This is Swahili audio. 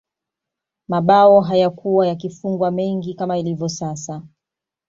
mabao hayakuwa yakifungwa mengi kama ilivyo sasa